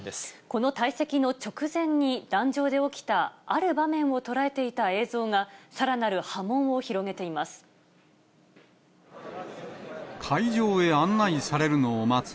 この退席の直前に、壇上で起きたある場面を捉えていた映像が、さらなる波紋を広げています。